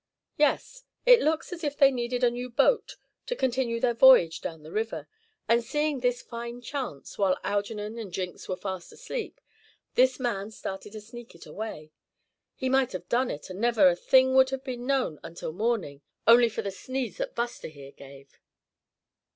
"Yes, it looks as if they needed a new boat to continue their voyage down the river; and seeing this fine chance, while Algernon and Jenks were fast asleep, this man started to sneak it away. He might have done it, and never a thing would they have known until morning, only for the sneeze that Buster here gave."